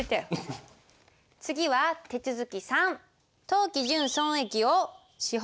次は手続き３。